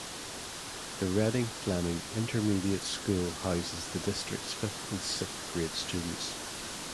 The Reading-Fleming Intermediate School houses the district's fifth and sixth grade students.